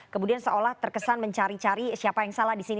kemudian seolah terkesan mencari cari siapa yang salah di sini